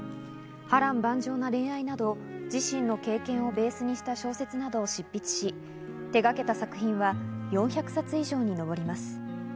波乱万丈な恋愛など、自身の経験をベースにした小説などを執筆し、手がけた作品は４００冊以上に上ります。